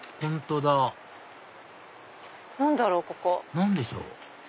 何でしょう？